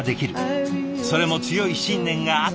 それも強い信念があってこそ。